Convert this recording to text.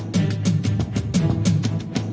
ได้ครับ